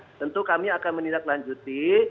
tentu kami akan menindaklanjuti